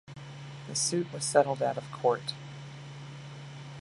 The suit was settled out-of-court.